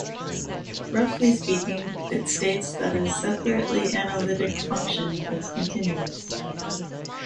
Roughly speaking, it states that a 'separately analytic' function is continuous.